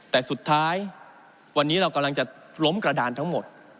แต่สุดท้ายวันนี้เรากำลังจะล้มกระดานทั้งหมด